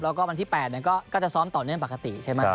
แล้วก็วันที่๘เนี่ยก็จะซ้อมต่อเดิมปกติใช่ไหม